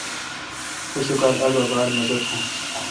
پشکال اگو باڑ مزہ تھون۔